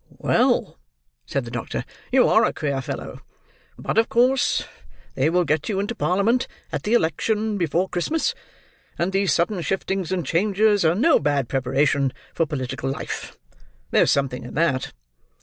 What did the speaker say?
"Well," said the doctor, "you are a queer fellow. But of course they will get you into parliament at the election before Christmas, and these sudden shiftings and changes are no bad preparation for political life. There's something in that.